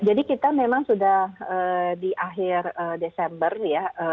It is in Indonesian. jadi kita memang sudah di akhir desember ya